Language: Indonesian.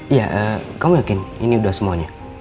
iya kamu yakin ini sudah semuanya